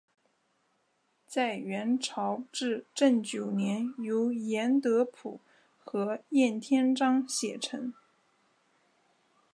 在元朝至正九年由严德甫和晏天章写成。